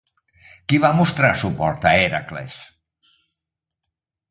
Qui va mostrar suport a Hèracles?